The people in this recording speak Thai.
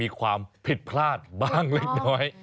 มีความผิดพลาดบ้างเล็กน้อย